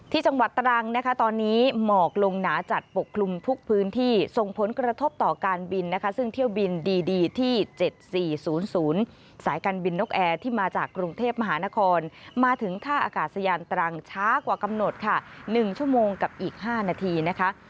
จังหวัดตรังนะคะตอนนี้หมอกลงหนาจัดปกคลุมทุกพื้นที่ส่งผลกระทบต่อการบินนะคะซึ่งเที่ยวบินดีที่๗๔๐๐สายการบินนกแอร์ที่มาจากกรุงเทพมหานครมาถึงท่าอากาศยานตรังช้ากว่ากำหนดค่ะ๑ชั่วโมงกับอีก๕นาทีนะคะ